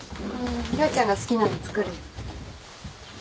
陽ちゃんが好きなの作るよ。